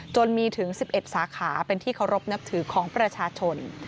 จนมีถึง๑๑สาขาเป็นที่เคารพนับถือของประชาชน